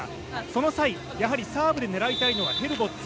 その際、やはりサーブで狙いたいのはヘルボッツ。